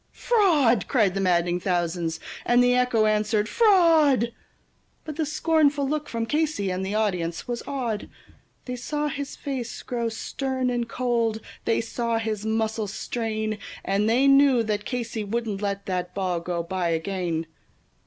"Fraud!" cried the maddened thousands, and the echo answered, "Fraud!" But the scornful look from Casey, and the audience was awed; They saw his face grow stern and cold, they saw his muscles strain, And they knew that Casey wouldn't let that ball go by again.